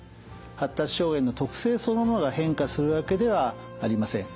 発達障害の特性そのものが変化するわけではありません。